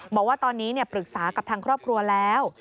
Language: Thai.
บอกว่าตอนนี้ปรึกษากับทางครอบครัวแล้ว